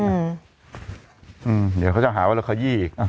เดี๋ยวเขาจะหาว่าเราขยี้อีก